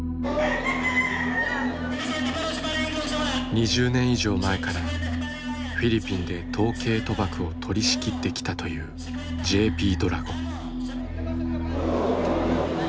２０年以上前からフィリピンで闘鶏賭博を取りしきってきたというＪＰドラゴン。